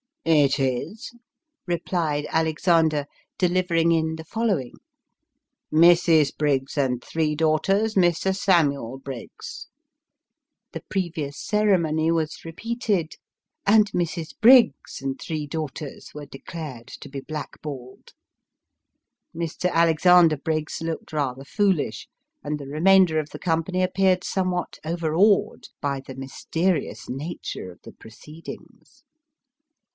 " It is," replied Alexander, delivering in the following :" Mrs. Briggs and three daughters, Mr. Samuel Briggs." The previous ceremony was repeated, and Mrs. Briggs and three daughters were declared to be black balled. Mr. Alexander Briggs looked rather foolish, and the remainder of the company appeared somewhat over awed by the mysterious nature of the proceedings.